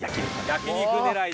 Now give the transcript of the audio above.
焼肉狙いで。